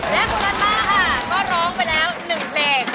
แล้วคุณรันม่าค่ะก็ร้องไปแล้วหนึ่งเพลง